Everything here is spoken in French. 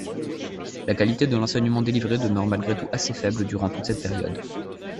La qualité de l'enseignement délivré demeure malgré tout assez faible durant toute cette période.